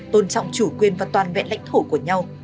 tôn trọng chủ quyền và toàn vẹn lãnh thổ của nhau